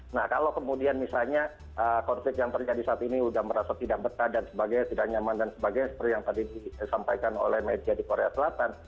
nah kalau kemudian misalnya konflik yang terjadi saat ini sudah merasa tidak betah dan sebagainya tidak nyaman dan sebagainya seperti yang tadi disampaikan oleh media di korea selatan